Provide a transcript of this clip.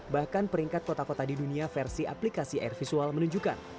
bahkan peringkat kota kota di dunia versi aplikasi air visual menunjukkan